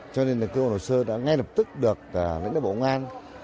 cho nên là cơ hội sơ đã ngay lập tức được lãnh đạo bộ công an